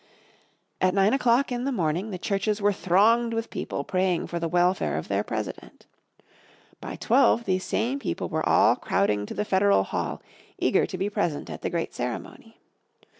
At nine o'clock in the morning the churches were thronged with people praying for the welfare of their President. By twelve these same people were all crowding to the Federal Hall eager to be present at the great ceremony.